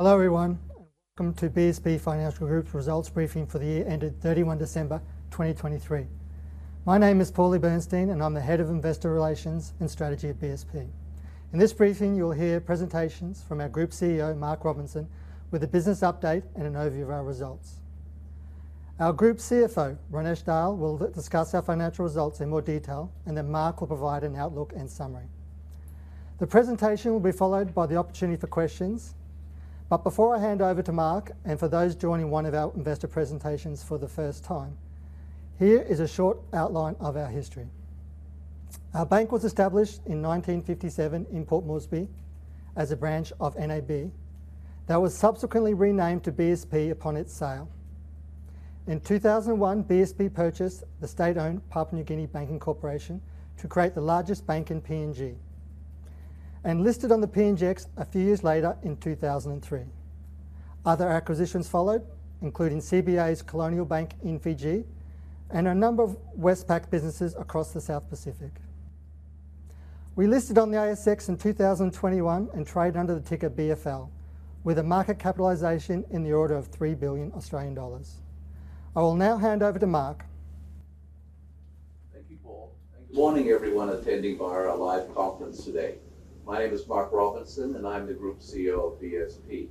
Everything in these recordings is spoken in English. Hello, everyone, and welcome to BSP Financial Group's results briefing for the year ended 31 December 2023. My name is Paul Black, and I'm the Head of Investor Relations and Strategy at BSP. In this briefing, you'll hear presentations from our Group CEO, Mark Robinson, with a business update and an overview of our results. Our Group CFO, Ronesh Dayal, will discuss our financial results in more detail, and then Mark will provide an outlook and summary. The presentation will be followed by the opportunity for questions. But before I hand over to Mark, and for those joining one of our investor presentations for the first time, here is a short outline of our history. Our bank was established in 1957 in Port Moresby as a branch of NAB, that was subsequently renamed to BSP upon its sale. In 2001, BSP purchased the state-owned Papua New Guinea Banking Corporation to create the largest bank in PNG, and listed on the PNGX a few years later in 2003. Other acquisitions followed, including CBA's Colonial Bank in Fiji and a number of Westpac businesses across the South Pacific. We listed on the ASX in 2021 and trade under the ticker BFL, with a market capitalization in the order of 3 billion Australian dollars. I will now hand over to Mark. Thank you, Paul. Good morning, everyone attending via our live conference today. My name is Mark Robinson, and I'm the Group CEO of BSP.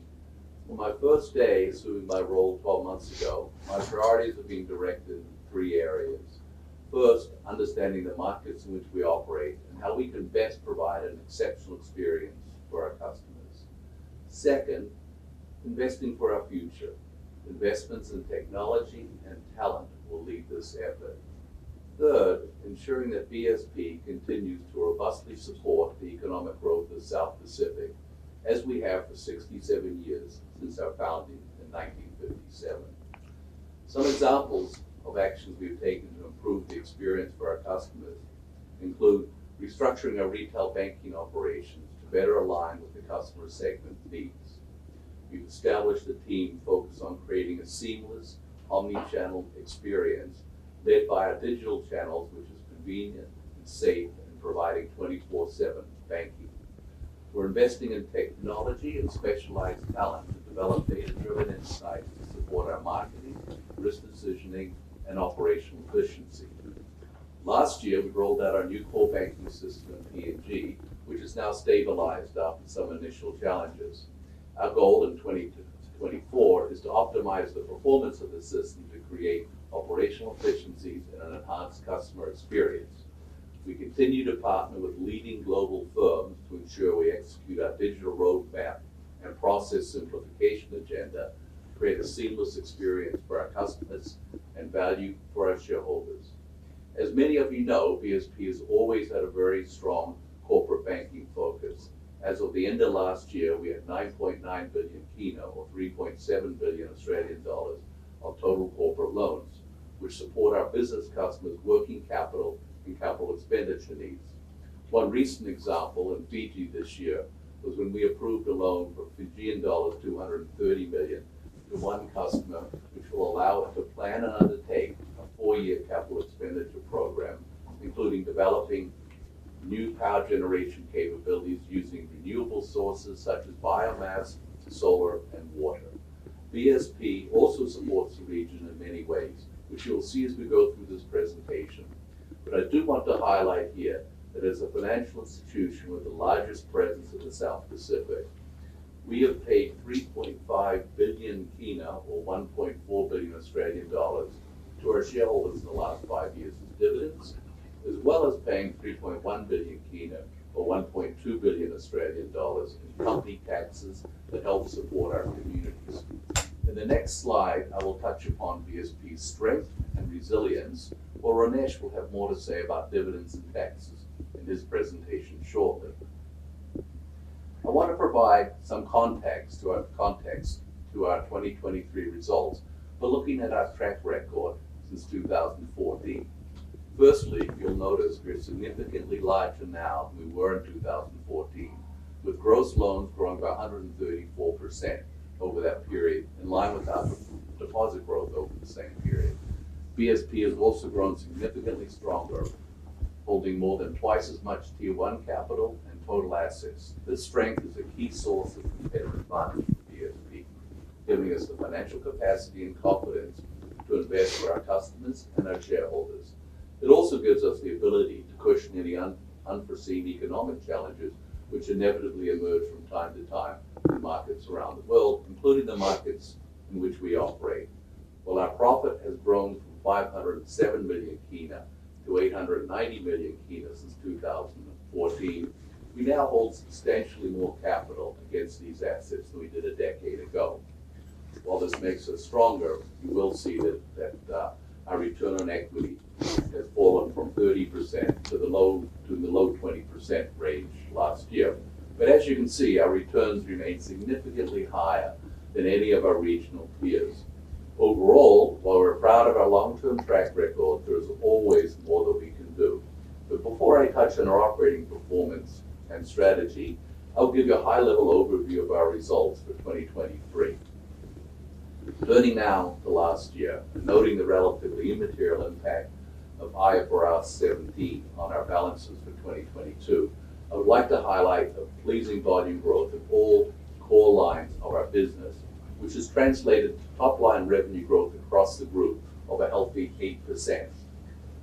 From my first day assuming my role 12 months ago, my priorities have been directed in three areas. First, understanding the markets in which we operate and how we can best provide an exceptional experience for our customers. Second, investing for our future. Investments in technology and talent will lead this effort. Third, ensuring that BSP continues to robustly support the economic growth of the South Pacific, as we have for 67 years since our founding in 1957. Some examples of actions we've taken to improve the experience for our customers include restructuring our retail banking operations to better align with the customer segment needs. We've established a team focused on creating a seamless omni-channel experience led by our digital channels, which is convenient and safe in providing 24/7 banking. We're investing in technology and specialized talent to develop data-driven insights to support our marketing, risk decisioning, and operational efficiency. Last year, we rolled out our new core banking system in PNG, which is now stabilized after some initial challenges. Our goal in 2024 is to optimize the performance of the system to create operational efficiencies and an enhanced customer experience. We continue to partner with leading global firms to ensure we execute our digital roadmap and process simplification agenda to create a seamless experience for our customers and value for our shareholders. As many of you know, BSP has always had a very strong corporate banking focus. As of the end of last year, we had PGK 9.9 billion, or 3.7 billion Australian dollars, of total corporate loans, which support our business customers' working capital and capital expenditure needs. One recent example in Fiji this year was when we approved a loan for FJD 230 million to one customer, which will allow it to plan and undertake a four-year capital expenditure program, including developing new power generation capabilities using renewable sources such as biomass, solar, and water. BSP also supports the region in many ways, which you'll see as we go through this presentation. But I do want to highlight here that as a financial institution with the largest presence in the South Pacific, we have paid PGK 3.5 billion, or 1.4 billion Australian dollars, to our shareholders in the last five years as dividends, as well as paying PGK 3.1 billion, or 1.2 billion Australian dollars, in company taxes that help support our communities. In the next slide, I will touch upon BSP's strength and resilience, while Ronesh will have more to say about dividends and taxes in his presentation shortly. I want to provide some context to our 2023 results by looking at our track record since 2014. Firstly, you'll notice we're significantly larger now than we were in 2014, with gross loans growing by 134% over that period, in line with our deposit growth over the same period. BSP has also grown significantly stronger, holding more than twice as much Tier One capital and total assets. This strength is a key source of competitive advantage for BSP, giving us the financial capacity and confidence to invest for our customers and our shareholders. It also gives us the ability to cushion any unforeseen economic challenges, which inevitably emerge from time to time in markets around the world, including the markets in which we operate. While our profit has grown from PGK 507 million-PGK 890 million since 2014, we now hold substantially more capital against these assets than we did a decade ago. While this makes us stronger, you will see that our return on equity has fallen from 30% to the low 20% range last year. But as you can see, our returns remain significantly higher than any of our regional peers. Overall, while we're proud of our long-term track record, there is always more that we can do. But before I touch on our operating performance and strategy, I'll give you a high-level overview of our results for 2023. Turning now to last year, and noting the relatively immaterial impact of IFRS 17 on our balances for 2022, I would like to highlight a pleasing volume growth in all core lines of our business, which has translated to top-line revenue growth across the group of a healthy 8%.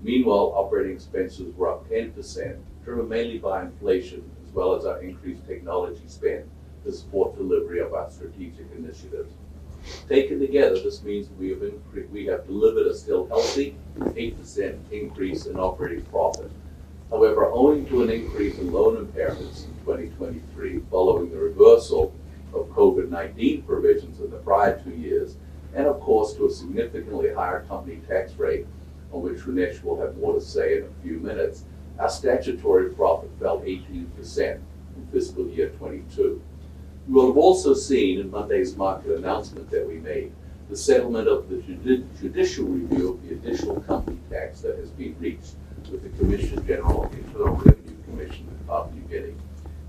Meanwhile, operating expenses were up 10%, driven mainly by inflation, as well as our increased technology spend to support delivery of our strategic initiatives. Taken together, this means we have delivered a still healthy 8% increase in operating profit. However, owing to an increase in loan impairments in 2023, following the reversal of COVID-19 provisions in the prior two years, and of course, to a significantly higher company tax rate, on which Ronesh will have more to say in a few minutes, our statutory profit fell 18% in fiscal year 2022. You will have also seen in Monday's market announcement that we made the settlement of the judicial review of the additional company tax that has been reached with the Commissioner General of the Internal Revenue Commission of Papua New Guinea.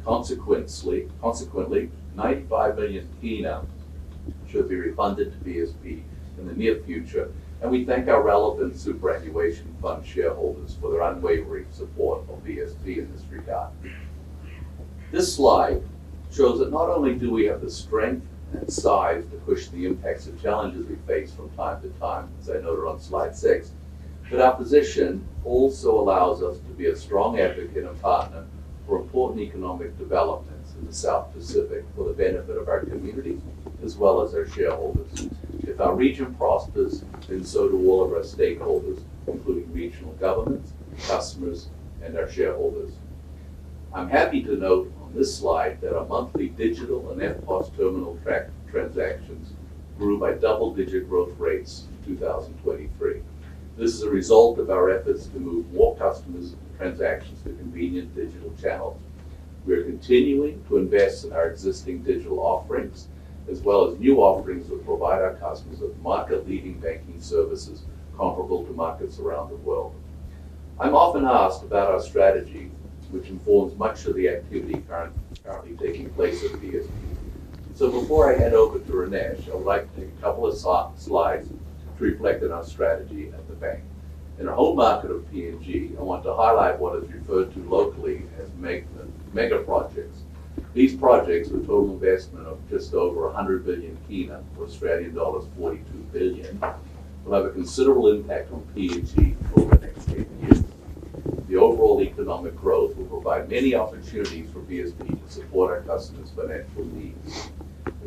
Consequently, PGK 95 million should be refunded to BSP in the near future, and we thank our relevant superannuation fund shareholders for their unwavering support of BSP in this regard. This slide shows that not only do we have the strength and size to cushion the impacts of challenges we face from time to time, as I noted on slide six, but our position also allows us to be a strong advocate and partner for important economic developments in the South Pacific for the benefit of our community, as well as our shareholders. If our region prospers, then so do all of our stakeholders, including regional governments, customers, and our shareholders. I'm happy to note on this slide that our monthly digital and EFTPOS terminal tracked transactions grew by double-digit growth rates in 2023. This is a result of our efforts to move more customers and transactions to convenient digital channels. We are continuing to invest in our existing digital offerings, as well as new offerings that provide our customers with market-leading banking services comparable to markets around the world. I'm often asked about our strategy, which informs much of the activity currently taking place at BSP. So before I hand over to Ronesh, I would like to take a couple of slides to reflect on our strategy at the bank. In our home market of PNG, I want to highlight what is referred to locally as mega projects. These projects, with total investment of just over PGK 100 billion, or Australian dollars 42 billion, will have a considerable impact on PNG over the next 10 years. The overall economic growth will provide many opportunities for BSP to support our customers' financial needs.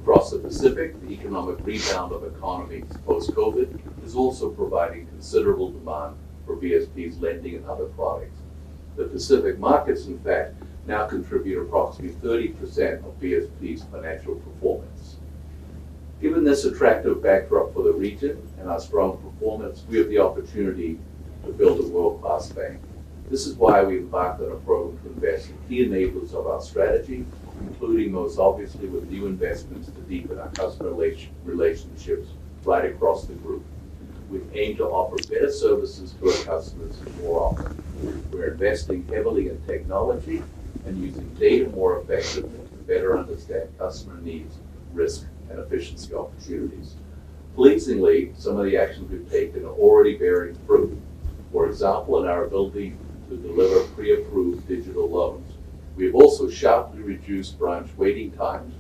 Across the Pacific, the economic rebound of economies post-COVID is also providing considerable demand for BSP's lending and other products. The Pacific markets, in fact, now contribute approximately 30% of BSP's financial performance. Given this attractive backdrop for the region and our strong performance, we have the opportunity to build a world-class bank. This is why we've embarked on a program to invest in key enablers of our strategy, including, most obviously, with new investments to deepen our customer relationships right across the group. We aim to offer better services to our customers more often. We're investing heavily in technology and using data more effectively to better understand customer needs, risk, and efficiency opportunities. Pleasingly, some of the actions we've taken are already bearing fruit. For example, in our ability to deliver pre-approved digital loans. We have also sharply reduced branch waiting times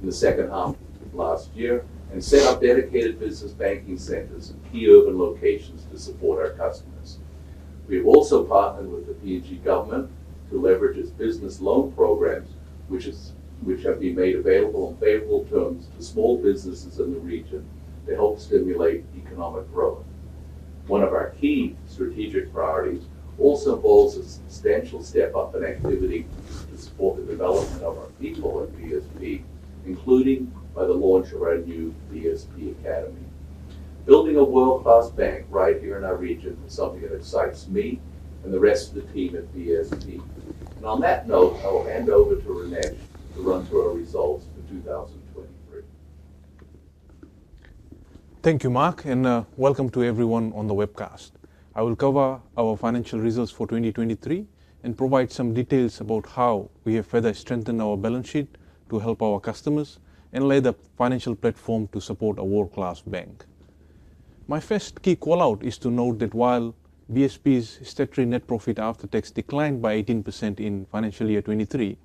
in the second half of last year and set up dedicated business banking centers in key urban locations to support our customers. We have also partnered with the PNG government to leverage its business loan programs, which have been made available on favorable terms to small businesses in the region to help stimulate economic growth. One of our key strategic priorities also involves a substantial step-up in activity to support the development of our people at BSP, including by the launch of our new BSP Academy. Building a world-class bank right here in our region is something that excites me and the rest of the team at BSP. On that note, I will hand over to Ronesh to run through our results for 2023. Thank you, Mark, and, welcome to everyone on the webcast. I will cover our financial results for 2023 and provide some details about how we have further strengthened our balance sheet to help our customers and lay the financial platform to support a world-class bank. My first key call-out is to note that while BSP's statutory net profit after tax declined by 18% in financial year 2023,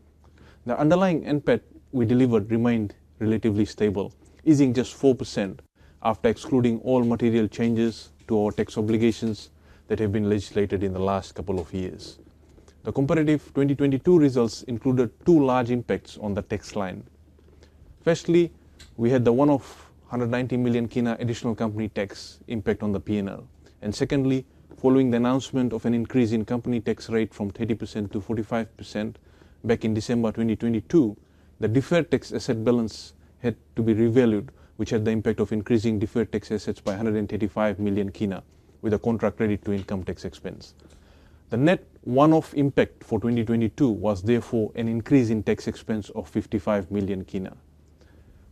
the underlying NPAT we delivered remained relatively stable, easing just 4% after excluding all material changes to our tax obligations that have been legislated in the last couple of years. The comparative 2022 results included two large impacts on the tax line. Firstly, we had the one-off PGK 190 million additional company tax impact on the P&L. Secondly, following the announcement of an increase in company tax rate from 30%-45% back in December 2022, the deferred tax asset balance had to be revalued, which had the impact of increasing deferred tax assets by PGK 135 million, with a contra credit to income tax expense. The net one-off impact for 2022 was therefore an increase in tax expense of PGK 55 million.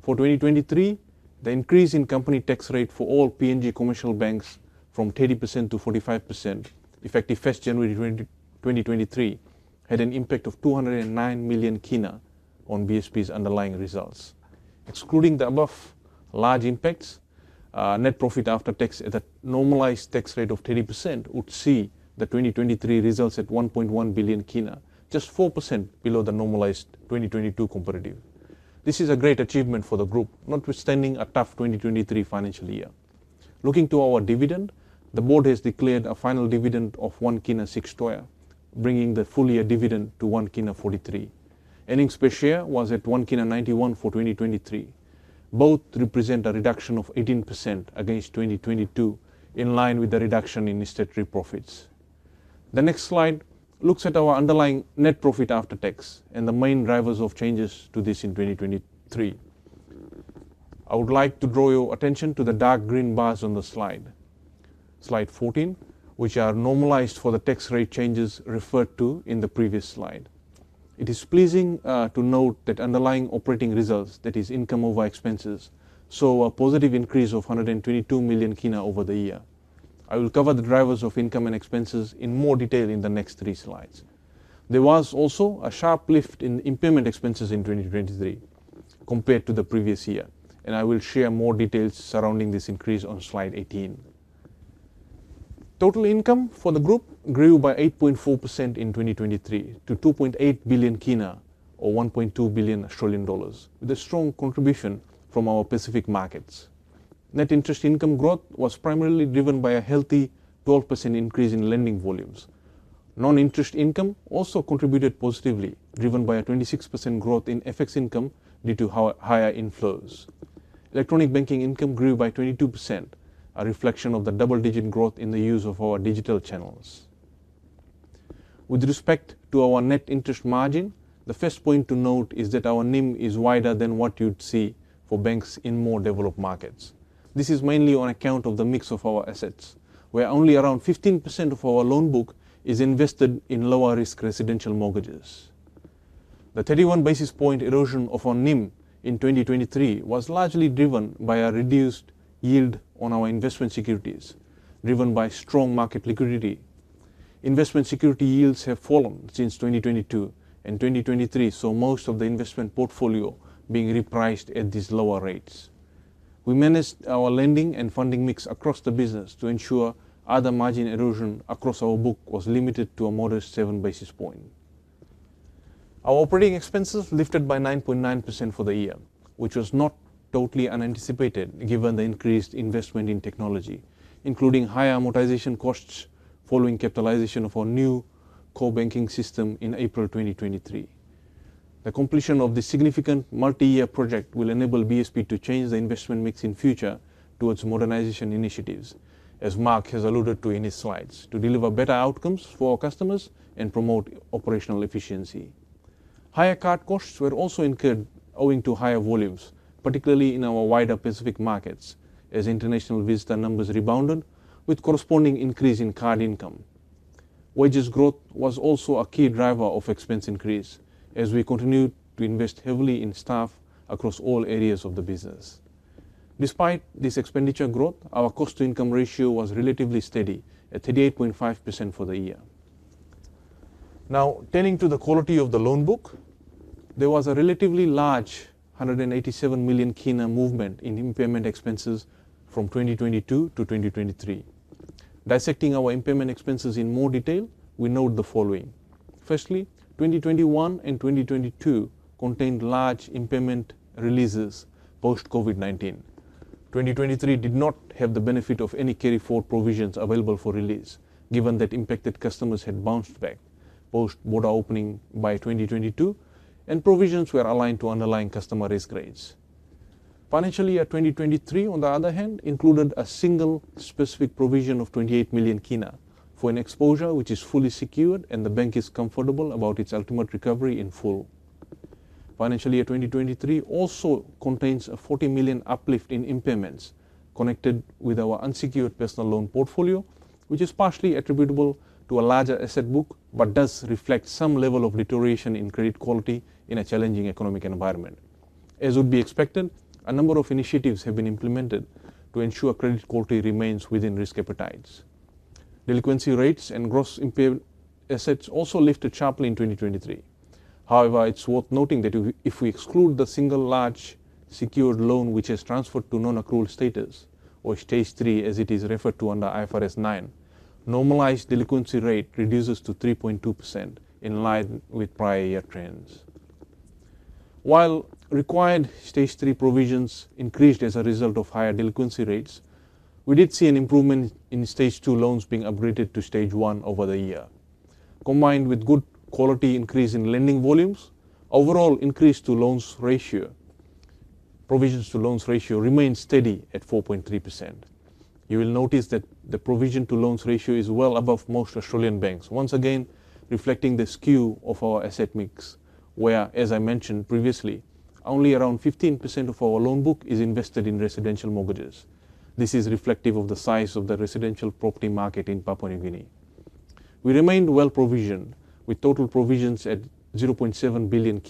For 2023, the increase in company tax rate for all PNG commercial banks from 30%-45%, effective January 1, 2023, had an impact of PGK 209 million on BSP's underlying results. Excluding the above large impacts, net profit after tax at a normalized tax rate of 30% would see the 2023 results at PGK 1.1 billion, just 4% below the normalized 2022 comparative. This is a great achievement for the group, notwithstanding a tough 2023 financial year. Looking to our dividend, the board has declared a final dividend of PGK 1.06, bringing the full year dividend to PGK 1.43. Earnings per share was at PGK 1.91 for 2023. Both represent a reduction of 18% against 2022, in line with the reduction in statutory profits. The next slide looks at our underlying net profit after tax and the main drivers of changes to this in 2023. I would like to draw your attention to the dark green bars on the slide, slide 14, which are normalized for the tax rate changes referred to in the previous slide. It is pleasing to note that underlying operating results, that is income over expenses, saw a positive increase of PGK 122 million over the year. I will cover the drivers of income and expenses in more detail in the next three slides. There was also a sharp lift in impairment expenses in 2023 compared to the previous year, and I will share more details surrounding this increase on slide 18. Total income for the group grew by 8.4% in 2023 to PGK 2.8 billion or 1.2 billion Australian dollars, with a strong contribution from our Pacific markets. Net interest income growth was primarily driven by a healthy 12% increase in lending volumes. Non-interest income also contributed positively, driven by a 26% growth in FX income due to higher inflows. Electronic banking income grew by 22%, a reflection of the double-digit growth in the use of our digital channels. With respect to our net interest margin, the first point to note is that our NIM is wider than what you'd see for banks in more developed markets. This is mainly on account of the mix of our assets, where only around 15% of our loan book is invested in lower-risk residential mortgages. The 31 basis points erosion of our NIM in 2023 was largely driven by a reduced yield on our investment securities, driven by strong market liquidity. Investment security yields have fallen since 2022 and 2023, so most of the investment portfolio being repriced at these lower rates. We managed our lending and funding mix across the business to ensure other margin erosion across our book was limited to a modest 7 basis points. Our operating expenses lifted by 9.9% for the year, which was not totally unanticipated, given the increased investment in technology, including higher amortization costs following capitalization of our new core banking system in April 2023. The completion of this significant multi-year project will enable BSP to change the investment mix in future towards modernization initiatives, as Mark has alluded to in his slides, to deliver better outcomes for our customers and promote operational efficiency. Higher card costs were also incurred owing to higher volumes, particularly in our wider Pacific markets, as international visitor numbers rebounded with corresponding increase in card income. Wages growth was also a key driver of expense increase as we continued to invest heavily in staff across all areas of the business. Despite this expenditure growth, our cost-to-income ratio was relatively steady at 38.5% for the year. Now, turning to the quality of the loan book, there was a relatively large PGK 187 million movement in impairment expenses from 2022 to 2023. Dissecting our impairment expenses in more detail, we note the following: firstly, 2021 and 2022 contained large impairment releases post COVID-19. 2023 did not have the benefit of any carryforward provisions available for release, given that impacted customers had bounced back post border opening by 2022, and provisions were aligned to underlying customer risk grades. Financial year 2023, on the other hand, included a single specific provision of PGK 28 million for an exposure which is fully secured, and the bank is comfortable about its ultimate recovery in full. Financial year 2023 also contains a PGK 40 million uplift in impairments connected with our unsecured personal loan portfolio, which is partially attributable to a larger asset book, but does reflect some level of deterioration in credit quality in a challenging economic environment. As would be expected, a number of initiatives have been implemented to ensure credit quality remains within risk appetites. Delinquency rates and gross impaired assets also lifted sharply in 2023. However, it's worth noting that if we exclude the single large secured loan, which is transferred to non-accrual status or Stage Three, as it is referred to under IFRS 9, normalized delinquency rate reduces to 3.2% in line with prior year trends. While required Stage Three provisions increased as a result of higher delinquency rates, we did see an improvement in Stage Two loans being upgraded to Stage One over the year. Combined with good quality increase in lending volumes, overall increase to loans ratio, provisions to loans ratio remained steady at 4.3%. You will notice that the provision to loans ratio is well above most Australian banks, once again, reflecting the skew of our asset mix, where, as I mentioned previously, only around 15% of our loan book is invested in residential mortgages. This is reflective of the size of the residential property market in Papua New Guinea. We remained well provisioned, with total provisions at PGK 0.7 billion,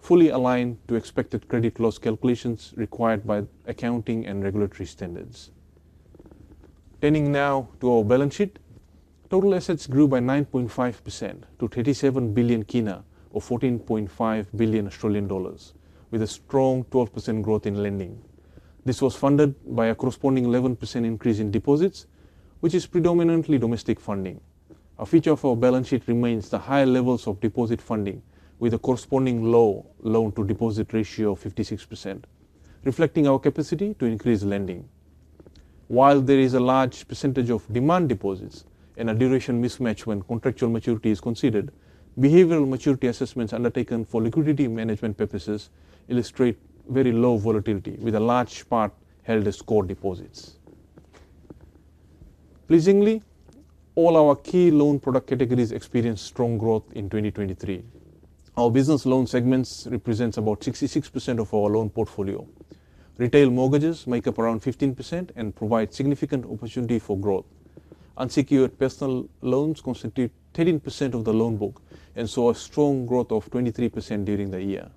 fully aligned to expected credit loss calculations required by accounting and regulatory standards. Turning now to our balance sheet. Total assets grew by 9.5% to PGK 37 billion, or 14.5 billion Australian dollars, with a strong 12% growth in lending. This was funded by a corresponding 11% increase in deposits, which is predominantly domestic funding. A feature of our balance sheet remains the high levels of deposit funding, with a corresponding low loan-to-deposit ratio of 56%, reflecting our capacity to increase lending. While there is a large percentage of demand deposits and a duration mismatch when contractual maturity is considered, behavioral maturity assessments undertaken for liquidity management purposes illustrate very low volatility, with a large part held as core deposits. Pleasingly, all our key loan product categories experienced strong growth in 2023. Our business loan segments represents about 66% of our loan portfolio. Retail mortgages make up around 15% and provide significant opportunity for growth. Unsecured personal loans constitute 13% of the loan book, and saw a strong growth of 23% during the year.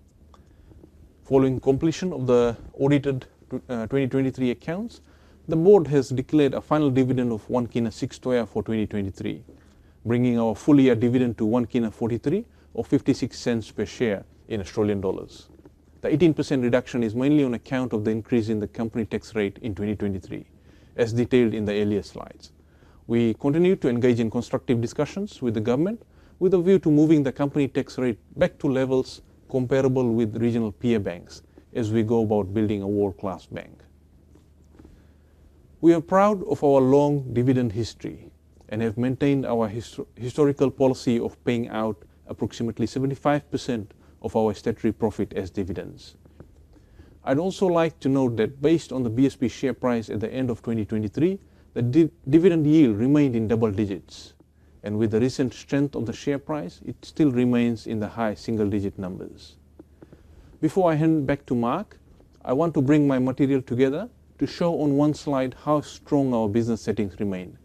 Following completion of the audited 2023 accounts, the board has declared a final dividend of PGK 1.06 for 2023, bringing our full year dividend to PGK 1.43 or 0.56 per share in Australian dollars. The 18% reduction is mainly on account of the increase in the company tax rate in 2023, as detailed in the earlier slides. We continue to engage in constructive discussions with the government, with a view to moving the company tax rate back to levels comparable with regional peer banks as we go about building a world-class bank. We are proud of our long dividend history and have maintained our historical policy of paying out approximately 75% of our statutory profit as dividends. I'd also like to note that based on the BSP share price at the end of 2023, the dividend yield remained in double digits, and with the recent strength of the share price, it still remains in the high single-digit numbers. Before I hand back to Mark, I want to bring my material together to show on one slide how strong our business settings remain.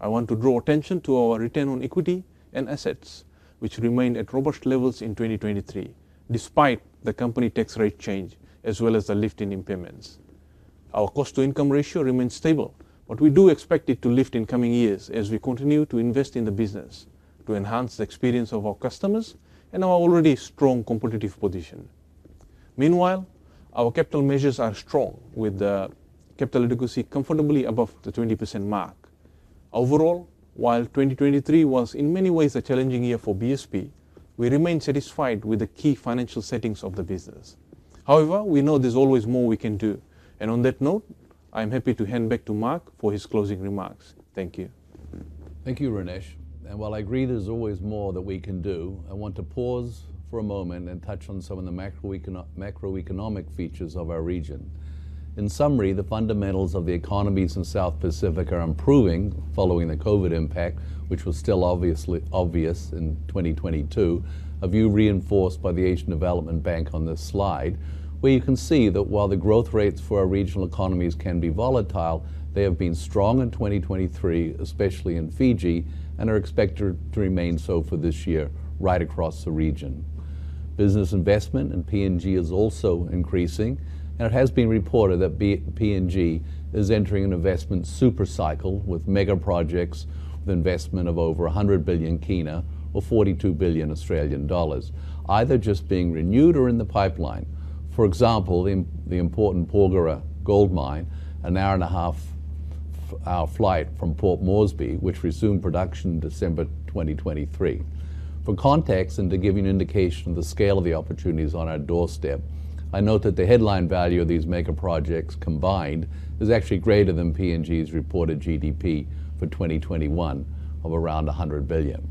I want to draw attention to our return on equity and assets, which remained at robust levels in 2023, despite the company tax rate change as well as the lift in impairments. Our cost-to-income ratio remains stable, but we do expect it to lift in coming years as we continue to invest in the business to enhance the experience of our customers and our already strong competitive position. Meanwhile, our capital measures are strong, with the capital adequacy comfortably above the 20% mark. Overall, while 2023 was in many ways a challenging year for BSP, we remain satisfied with the key financial settings of the business. However, we know there's always more we can do, and on that note, I'm happy to hand back to Mark for his closing remarks. Thank you. Thank you, Ronesh. While I agree there's always more that we can do, I want to pause for a moment and touch on some of the macroeconomic features of our region. In summary, the fundamentals of the economies in South Pacific are improving following the COVID impact, which was still obviously obvious in 2022, a view reinforced by the Asian Development Bank on this slide, where you can see that while the growth rates for our regional economies can be volatile, they have been strong in 2023, especially in Fiji, and are expected to remain so for this year right across the region. Business investment in PNG is also increasing, and it has been reported that PNG is entering an investment super cycle with mega projects of investment of over PGK 100 billion or 42 billion Australian dollars, either just being renewed or in the pipeline. For example, in the important Porgera Gold Mine, an hour and a half-hour flight from Port Moresby, which resumed production December 2023. For context, and to give you an indication of the scale of the opportunities on our doorstep, I note that the headline value of these mega projects combined is actually greater than PNG's reported GDP for 2021 of around PGK 100 billion.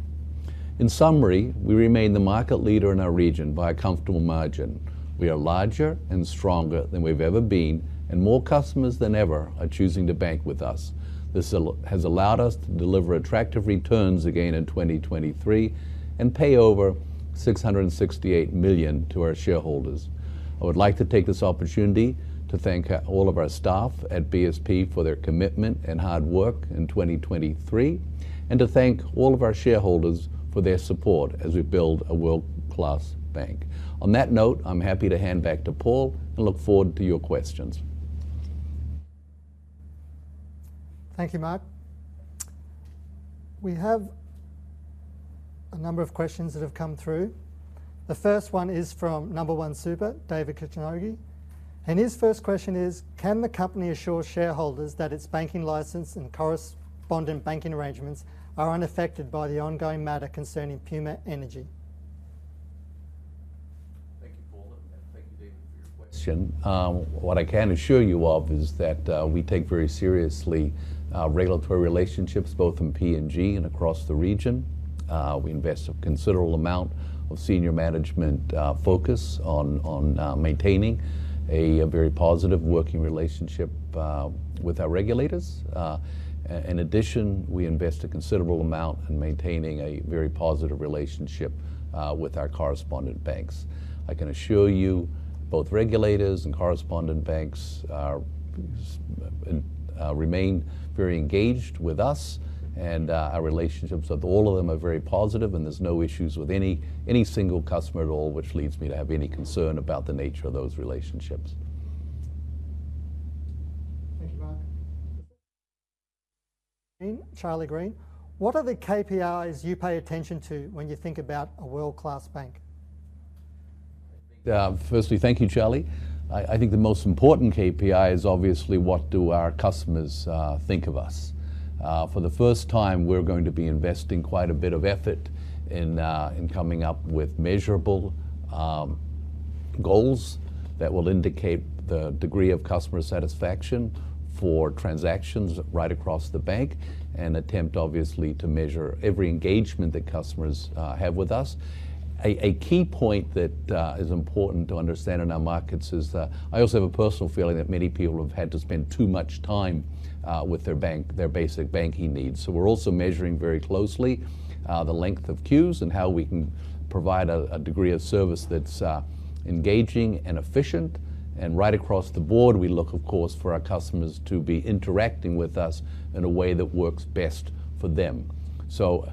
In summary, we remain the market leader in our region by a comfortable margin. We are larger and stronger than we've ever been, and more customers than ever are choosing to bank with us. This has allowed us to deliver attractive returns again in 2023 and pay over PGK 668 million to our shareholders. I would like to take this opportunity to thank all of our staff at BSP for their commitment and hard work in 2023, and to thank all of our shareholders for their support as we build a world-class bank. On that note, I'm happy to hand back to Paul and look forward to your questions. Thank you, Mark. We have a number of questions that have come through. The first one is from Nambawan Super, David Kitchnoge, and his first question is: Can the company assure shareholders that its banking license and correspondent banking arrangements are unaffected by the ongoing matter concerning Puma Energy? Thank you, Paul, and thank you, David, for your question. What I can assure you of is that we take very seriously regulatory relationships both in PNG and across the region. We invest a considerable amount of senior management focus on maintaining a very positive working relationship with our regulators. In addition, we invest a considerable amount in maintaining a very positive relationship with our correspondent banks. I can assure you both regulators and correspondent banks are remain very engaged with us, and our relationships with all of them are very positive and there's no issues with any single customer at all, which leads me to have any concern about the nature of those relationships.... Charlie Green, what are the KPIs you pay attention to when you think about a world-class bank? Firstly, thank you, Charlie. I think the most important KPI is obviously what do our customers think of us? For the first time, we're going to be investing quite a bit of effort in coming up with measurable goals that will indicate the degree of customer satisfaction for transactions right across the bank and attempt, obviously, to measure every engagement that customers have with us. A key point that is important to understand in our markets is that I also have a personal feeling that many people have had to spend too much time with their bank, their basic banking needs. So we're also measuring very closely the length of queues and how we can provide a degree of service that's engaging and efficient. Right across the board, we look, of course, for our customers to be interacting with us in a way that works best for them. So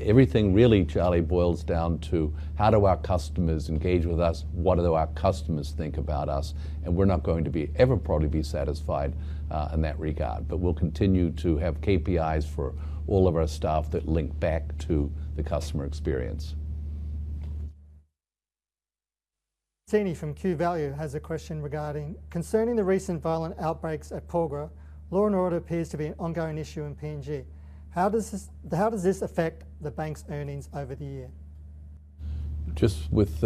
everything really, Charlie, boils down to: how do our customers engage with us? What do our customers think about us? And we're not going to be ever probably be satisfied in that regard. But we'll continue to have KPIs for all of our staff that link back to the customer experience.... Cini from QValue has a question regarding, "Concerning the recent violent outbreaks at Porgera, law and order appears to be an ongoing issue in PNG. How does this, how does this affect the bank's earnings over the year? Just with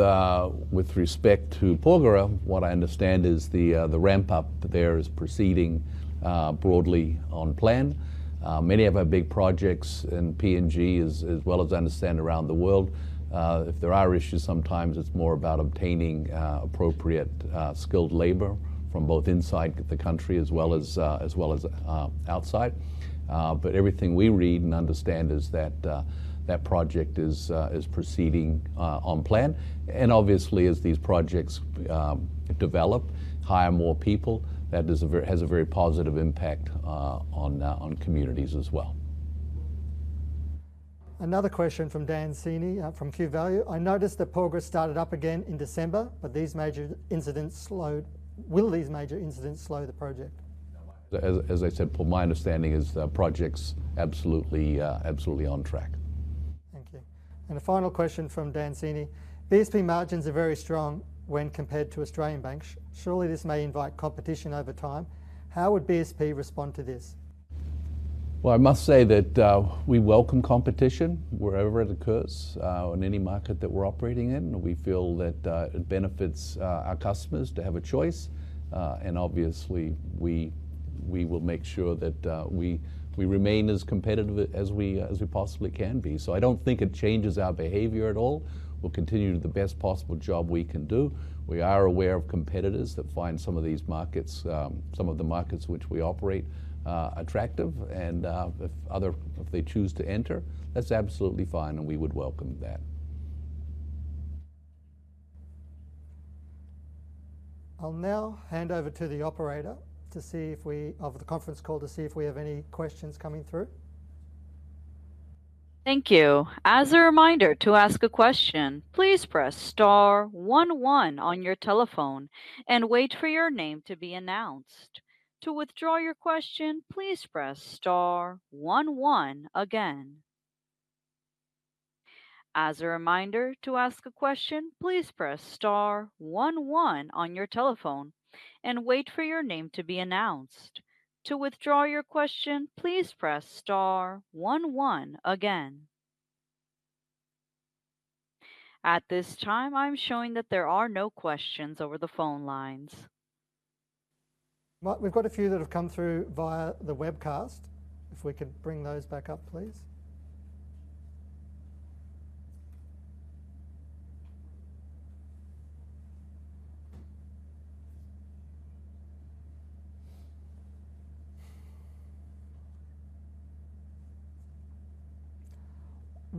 respect to Porgera, what I understand is the ramp-up there is proceeding broadly on plan. Many of our big projects in PNG, as well as I understand around the world, if there are issues, sometimes it's more about obtaining appropriate skilled labor from both inside the country as well as outside. But everything we read and understand is that that project is proceeding on plan. And obviously, as these projects develop, hire more people, that is a very, has a very positive impact on, on communities as well. Another question from Dan Cini, from QValue: "I noticed that Porgera started up again in December, but these major incidents slowed. Will these major incidents slow the project? As I said, Paul, my understanding is the project's absolutely, absolutely on track. Thank you. A final question from Dan Cini: "BSP margins are very strong when compared to Australian banks. Surely, this may invite competition over time. How would BSP respond to this? Well, I must say that we welcome competition wherever it occurs in any market that we're operating in. We feel that it benefits our customers to have a choice. And obviously, we will make sure that we remain as competitive as we possibly can be. So I don't think it changes our behavior at all. We'll continue to do the best possible job we can do. We are aware of competitors that find some of the markets which we operate attractive, and if they choose to enter, that's absolutely fine, and we would welcome that. I'll now hand over to the operator to see if we... of the conference call, to see if we have any questions coming through. Thank you. As a reminder, to ask a question, please press star one one on your telephone and wait for your name to be announced. To withdraw your question, please press star one one again. As a reminder, to ask a question, please press star one one on your telephone and wait for your name to be announced. To withdraw your question, please press star one one again. At this time, I'm showing that there are no questions over the phone lines. Well, we've got a few that have come through via the webcast. If we could bring those back up, please.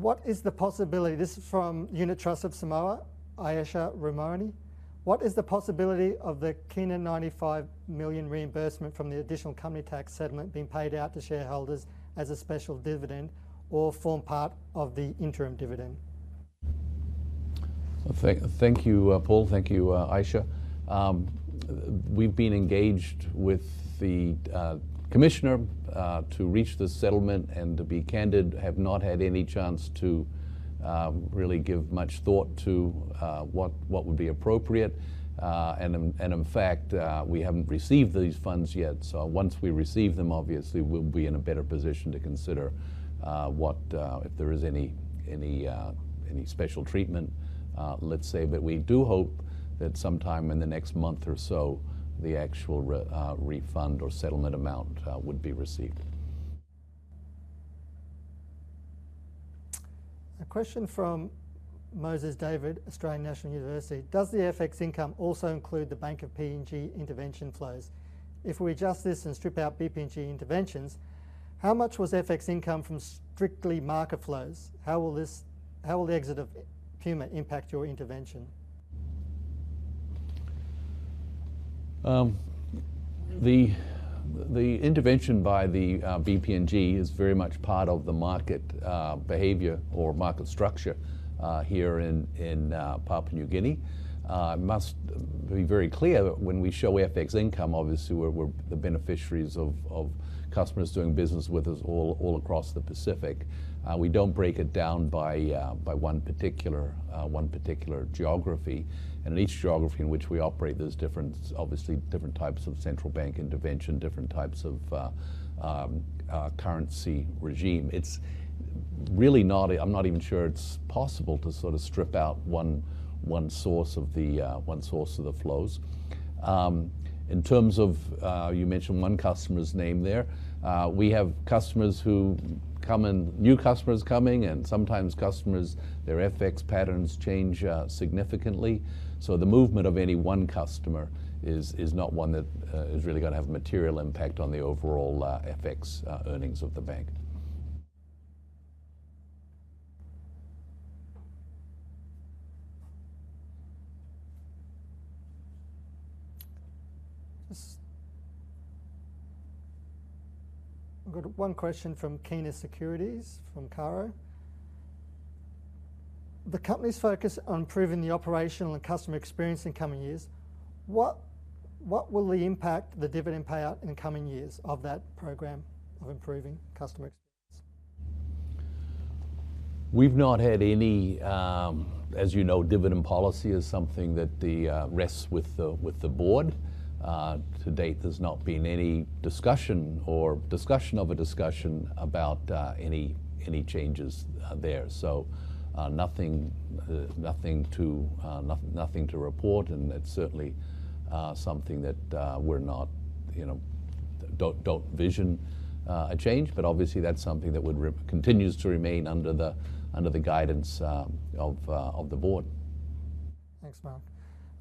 What is the possibility-- This is from Unit Trust of Samoa, Aisha Ramoni. "What is the possibility of the PGK 95 million reimbursement from the additional company tax settlement being paid out to shareholders as a special dividend or form part of the interim dividend? Thank you, Paul. Thank you, Aisha. We've been engaged with the commissioner to reach this settlement, and to be candid, have not had any chance to really give much thought to what would be appropriate. And in fact, we haven't received these funds yet. So once we receive them, obviously, we'll be in a better position to consider what if there is any special treatment, let's say. But we do hope that sometime in the next month or so, the actual refund or settlement amount would be received. A question from Moses David, Australian National University: "Does the FX income also include the Bank of PNG intervention flows? If we adjust this and strip out BPNG interventions, how much was FX income from strictly market flows? How will the exit of Puma impact your intervention? ... The intervention by the BPNG is very much part of the market behavior or market structure here in Papua New Guinea. I must be very clear that when we show FX income, obviously, we're the beneficiaries of customers doing business with us all across the Pacific. We don't break it down by one particular geography. In each geography in which we operate, there's different, obviously, different types of central bank intervention, different types of currency regime. It's really not. I'm not even sure it's possible to sort of strip out one source of the flows. In terms of, you mentioned one customer's name there. We have customers who come in, new customers coming, and sometimes customers, their FX patterns change, significantly. So the movement of any one customer is, is not one that, is really gonna have a material impact on the overall, FX, earnings of the bank. Just... I've got one question from Kina Securities, from Caro: The company's focus on improving the operational and customer experience in coming years, what will the impact the dividend payout in the coming years of that program of improving customer experience? We've not had any. As you know, dividend policy is something that rests with the board. To date, there's not been any discussion or discussion of a discussion about any changes there. So, nothing to report, and that's certainly something that we're not, you know, don't vision a change. But obviously, that's something that continues to remain under the guidance of the board. Thanks, Mark.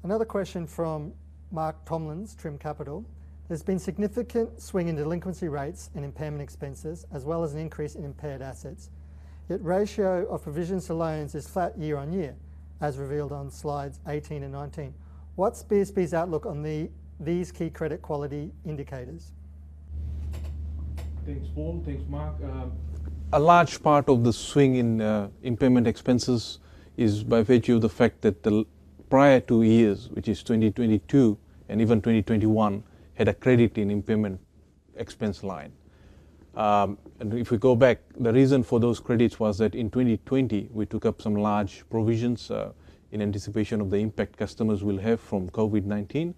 Another question from Mark Tomlins, Trium Capital. There's been significant swing in delinquency rates and impairment expenses, as well as an increase in impaired assets, yet ratio of provisions to loans is flat year-on-year, as revealed on slides 18 and 19. What's BSP's outlook on these key credit quality indicators? Thanks, Paul. Thanks, Mark. A large part of the swing in impairment expenses is by virtue of the fact that the prior two years, which is 2022 and even 2021, had a credit in impairment expense line. And if we go back, the reason for those credits was that in 2020, we took up some large provisions in anticipation of the impact customers will have from COVID-19.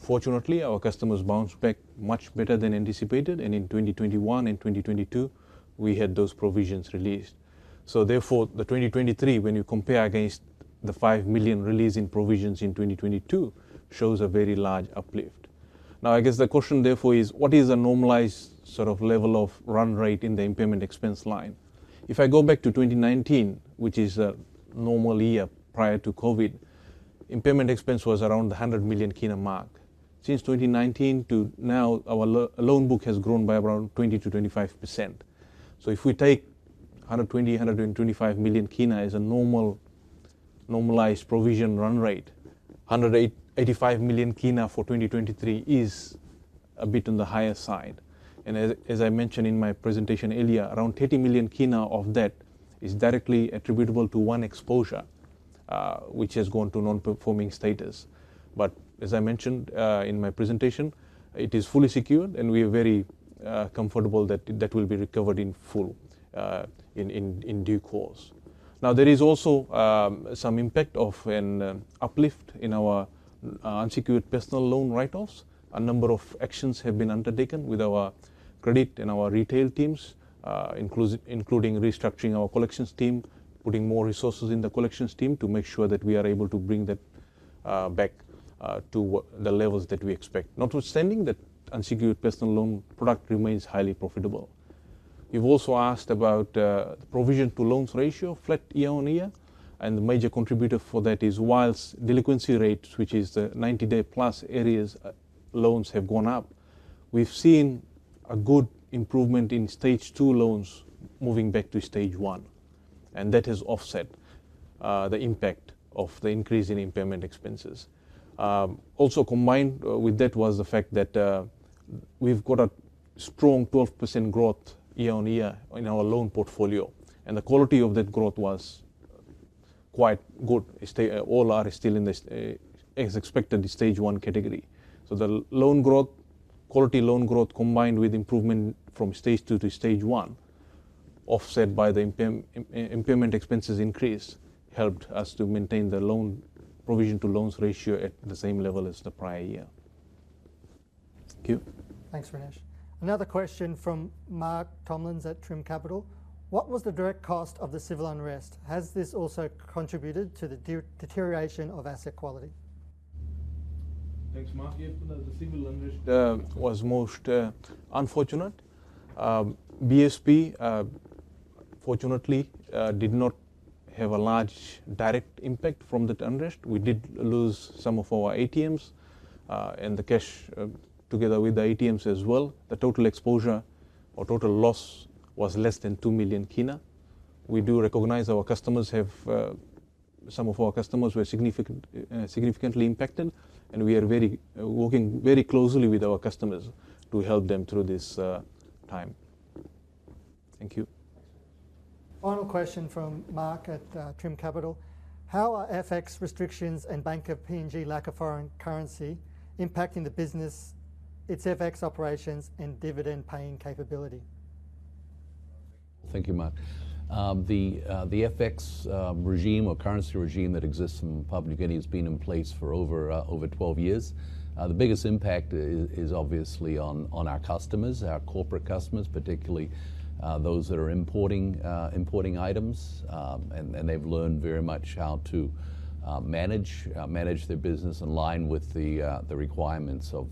Fortunately, our customers bounced back much better than anticipated, and in 2021 and 2022, we had those provisions released. So therefore, 2023, when you compare against the PGK 5 million release in provisions in 2022, shows a very large uplift. Now, I guess the question therefore is: What is the normalized sort of level of run rate in the impairment expense line? If I go back to 2019, which is a normal year prior to COVID, impairment expense was around the PGK 100 million mark. Since 2019 to now, our loan book has grown by around 20%-25%. So if we take PGK 120 million-PGK 125 million kina as a normal, normalized provision run rate, PGK 185 million kina for 2023 is a bit on the higher side. As I mentioned in my presentation earlier, around PGK 30 million kina of that is directly attributable to one exposure, which has gone to non-performing status. As I mentioned in my presentation, it is fully secured, and we are very comfortable that that will be recovered in full in due course. Now, there is also some impact of an uplift in our unsecured personal loan write-offs. A number of actions have been undertaken with our credit and our retail teams, including restructuring our collections team, putting more resources in the collections team to make sure that we are able to bring that back to the levels that we expect. Notwithstanding, that unsecured personal loan product remains highly profitable. You've also asked about the provision to loans ratio, flat year-on-year, and the major contributor for that is whilst delinquency rates, which is the 90-day-plus arrears, loans have gone up. We've seen a good improvement in Stage Two loans moving back to Stage One, and that has offset the impact of the increase in impairment expenses. Also, combined with that was the fact that we've got a strong 12% growth year-on-year in our loan portfolio, and the quality of that growth was quite good. All are still in the Stage One category, as expected. So the loan growth, quality loan growth, combined with improvement from Stage Two to Stage One, offset by the impairment expenses increase, helped us to maintain the loan provision to loans ratio at the same level as the prior year. Thank you. Thanks, Ronesh. Another question from Mark Tomlins at Trium Capital: What was the direct cost of the civil unrest? Has this also contributed to the deterioration of asset quality? Thanks, Mark. Yeah, the civil unrest was most unfortunate. BSP fortunately did not have a large direct impact from that unrest. We did lose some of our ATMs and the cash together with the ATMs as well. The total exposure or total loss was less than PGK 2 million... We do recognize our customers have; some of our customers were significantly impacted, and we are very working very closely with our customers to help them through this time. Thank you. Final question from Mark at Trium Capital: How are FX restrictions and Bank of PNG lack of foreign currency impacting the business, its FX operations, and dividend paying capability? Thank you, Mark. The FX regime or currency regime that exists in Papua New Guinea has been in place for over 12 years. The biggest impact is obviously on our customers, our corporate customers, particularly those that are importing items. And they've learned very much how to manage their business in line with the requirements of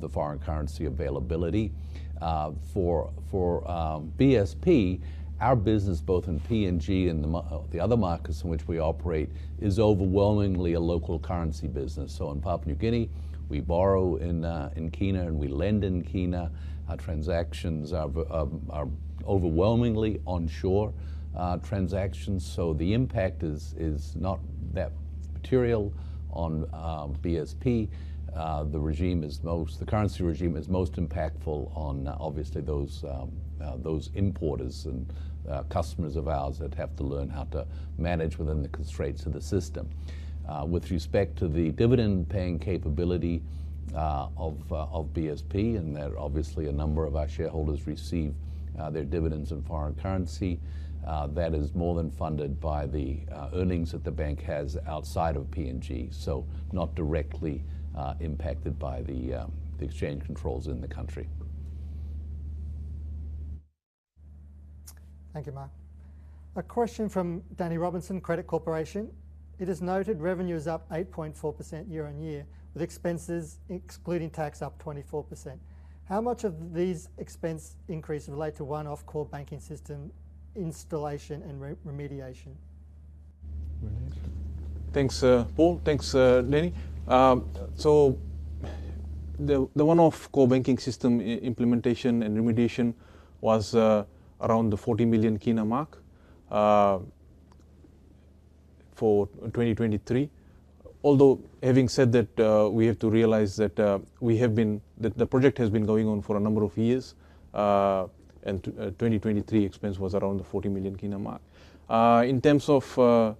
the foreign currency availability. For BSP, our business, both in PNG and the other markets in which we operate, is overwhelmingly a local currency business. So in Papua New Guinea, we borrow in kina, and we lend in kina. Our transactions are overwhelmingly onshore transactions, so the impact is not that material on BSP. The regime is most... The currency regime is most impactful on obviously those importers and customers of ours that have to learn how to manage within the constraints of the system. With respect to the dividend paying capability of BSP, and there obviously a number of our shareholders receive their dividends in foreign currency, that is more than funded by the earnings that the bank has outside of PNG, so not directly impacted by the exchange controls in the country. Thank you, Mark. A question from Danny Robinson, Credit Corporation: It is noted revenue is up 8.4% year-on-year, with expenses excluding tax up 24%. How much of these expense increases relate to one-off core banking system installation and re-remediation? Thanks, Paul. Thanks, Danny. So the one-off core banking system implementation and remediation was around the PGK 40 million mark for 2023. Although, having said that, we have to realize that the project has been going on for a number of years, and 2023 expense was around the PGK 40 million mark. In terms of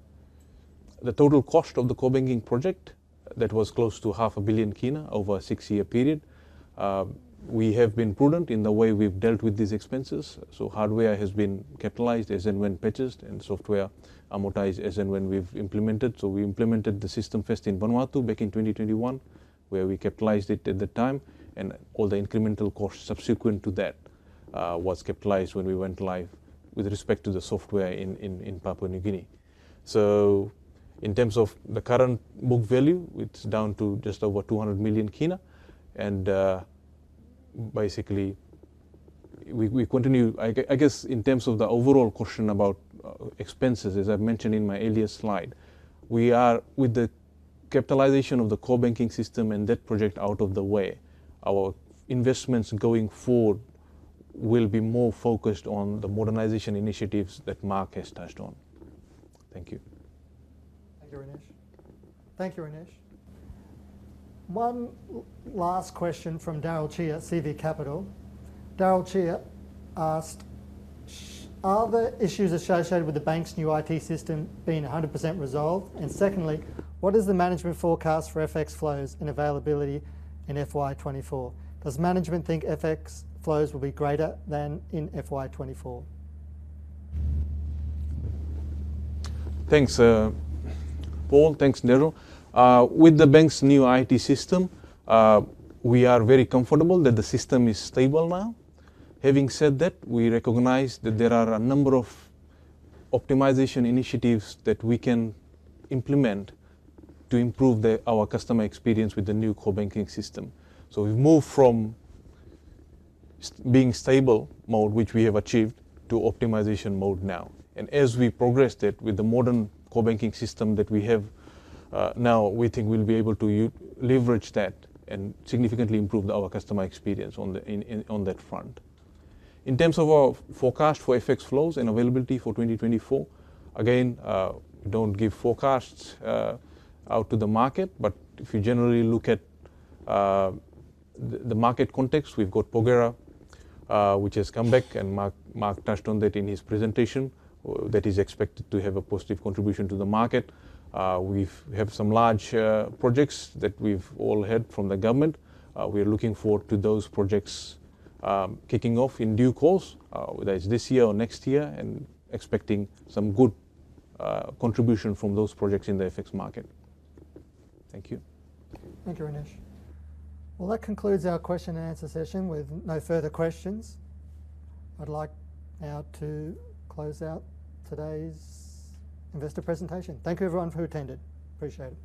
the total cost of the core banking project, that was close to PGK 500 million over a 6-year period. We have been prudent in the way we've dealt with these expenses, so hardware has been capitalized as and when purchased, and software amortized as and when we've implemented. So we implemented the system first in Vanuatu back in 2021, where we capitalized it at the time, and all the incremental costs subsequent to that was capitalized when we went live with respect to the software in Papua New Guinea. So in terms of the current book value, it's down to just over PGK 200 million and basically, we continue. I guess, in terms of the overall question about expenses, as I've mentioned in my earlier slide, we are, with the capitalization of the core banking system and that project out of the way, our investments going forward will be more focused on the modernization initiatives that Mark has touched on. Thank you. Thank you, Ronesh. Thank you, Ronesh. One last question from Daryl Chia at CVCapital. Daryl Chia asked, "Are the issues associated with the bank's new IT system being 100% resolved? And secondly, what is the management forecast for FX flows and availability in FY 2024? Does management think FX flows will be greater than in FY 2024? Thanks, Paul. Thanks, Daryl. With the bank's new IT system, we are very comfortable that the system is stable now. Having said that, we recognize that there are a number of optimization initiatives that we can implement to improve our customer experience with the new core banking system. So we've moved from being stable mode, which we have achieved, to optimization mode now. And as we progress that with the modern core banking system that we have now, we think we'll be able to leverage that and significantly improve our customer experience on that front. In terms of our forecast for FX flows and availability for 2024, again, we don't give forecasts out to the market, but if you generally look at the market context, we've got Porgera, which has come back, and Mark touched on that in his presentation. That is expected to have a positive contribution to the market. We have some large projects that we've all heard from the government. We are looking forward to those projects, kicking off in due course, whether it's this year or next year, and expecting some good contribution from those projects in the FX market. Thank you. Thank you, Ronesh. Well, that concludes our question and answer session. With no further questions, I'd like now to close out today's investor presentation. Thank you everyone who attended. Appreciate it.